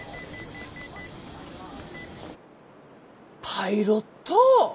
パイロット？